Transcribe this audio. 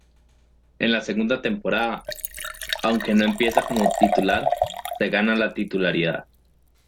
En la segunda temporada, aunque no empieza como titular, se gana la titularidad.